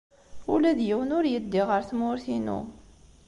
Ula d yiwen ur yeddi ɣer tmurt-inu.